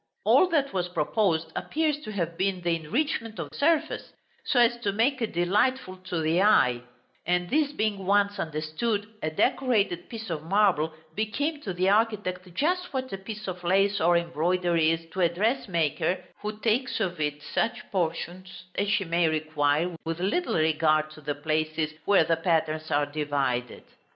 All that was proposed appears to have been the enrichment of surface, so as to make it delightful to the eye; and this being once understood, a decorated piece of marble became to the architect just what a piece of lace or embroidery is to a dressmaker, who takes of it such portions as she may require, with little regard to the places where the patterns are divided.